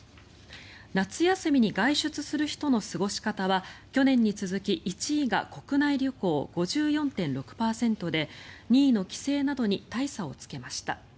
夏休みに外出する人の過ごし方は去年に続き、１位が国内旅行５４．６％で２位の帰省などに大差をつけました。